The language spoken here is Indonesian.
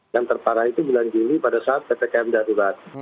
yang terparah itu bulan juli pada saat ppkm darurat